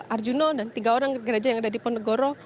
arjuna dan tiga orang gereja yang ada di ponegoro